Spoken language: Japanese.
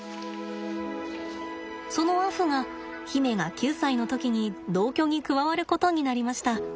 そのアフが媛が９歳の時に同居に加わることになりました。